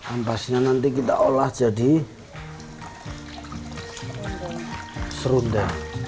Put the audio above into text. ampasnya nanti kita olah jadi serunda